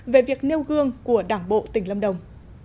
về việc nêu gương của đảng bộ tỉnh lâm đồng